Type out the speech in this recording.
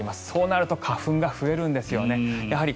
そうなると花粉が増えるんですよね。